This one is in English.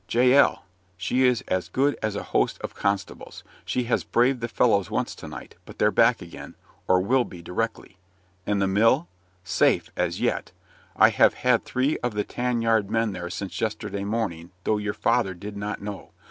"Jael; she is as good as a host of constables; she has braved the fellows once to night, but they're back again, or will be directly." "And the mill?" "Safe, as yet; I have had three of the tan yard men there since yesterday morning, though your father did not know.